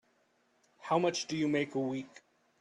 How much do you make a week?